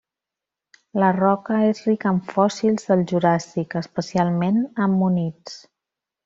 La roca és rica en fòssils del Juràssic, especialment ammonits.